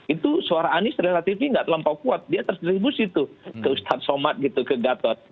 itu suara anies relatifnya nggak terlampau kuat dia terdistribusi tuh ke ustadz somad gitu ke gatot